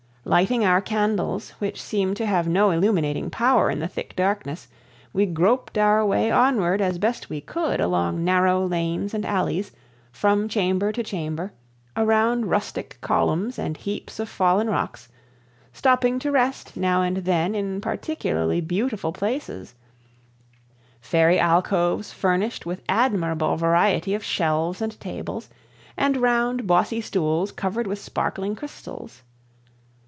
Lighting our candles, which seemed to have no illuminating power in the thick darkness, we groped our way onward as best we could along narrow lanes and alleys, from chamber to chamber, around rustic columns and heaps of fallen rocks, stopping to rest now and then in particularly beautiful places—fairy alcoves furnished with admirable variety of shelves and tables, and round bossy stools covered with sparkling crystals.